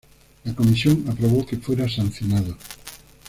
La comisión aprobó que fuera sancionado.